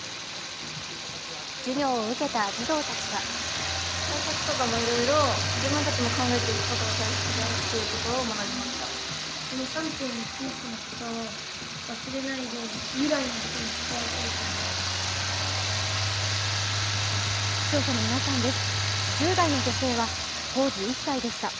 授業を受けた児童たちは視聴者の皆さんです。